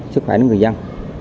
sức khỏe người dân